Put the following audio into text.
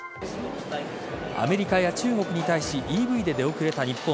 アメリカや中国に対しＥＶで出遅れた日本。